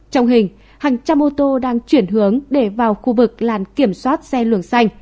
trong hình hàng trăm ô tô đang chuyển hướng để vào khu vực làn kiểm soát xe luồng xanh